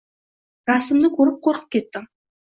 Rasmni ko‘rib qo‘rqib ketdim.